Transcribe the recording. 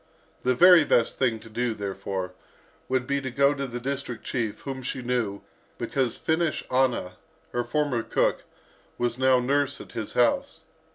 The very best thing to do, therefore, would be to go to the district chief, whom she knew, because Finnish Anna, her former cook, was now nurse at his house.